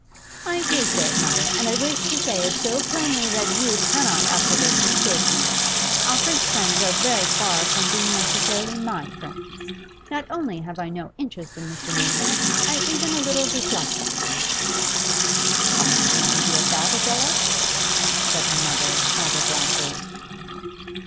'I do say it, mother, and I wish to say it so plainly that you cannot after this mistake me. Alfred's friends are very far from being necessarily my friends. Not only have I no interest in Mr. Mutimer, I even a little dislike him.' 'I had no idea of that, Adela,' said her mother, rather blankly.